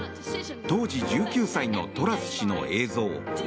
当時１９歳のトラス氏の映像。